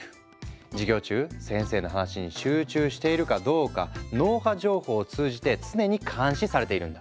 授業中先生の話に集中しているかどうか脳波情報を通じて常に監視されているんだ。